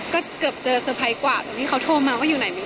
ก็เกือบเจอเตอร์ไพรส์กว่าตรงที่เขาโทรมาว่าอยู่ไหนไหมค